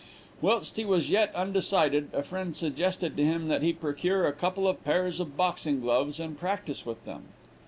Whilst he was yet undecided, a friend suggested to him that he procure a couple of pairs of boxing gloves, and practise with them.